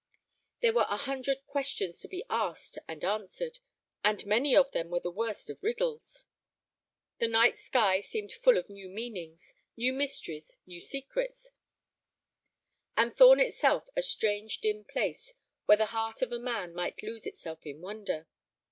There were a hundred questions to be asked and answered, and many of them were the worst of riddles. The night sky seemed full of new meanings, new mysteries, new secrets, and Thorn itself a strange dim place where the heart of a man might lose itself in wonder.